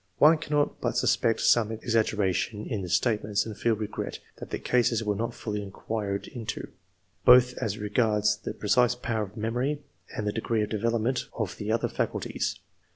One cannot but suspect some ex aggeration in the statements, and feel regret that the cases were not fully inquired into, both as regards the precise power of memory, and the degree of development of the other faculties.